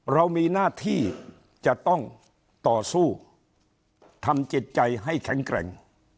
เรามีหน้าที่จะต้องต่อสู้ทำจิตใจให้แข็งแกร่ง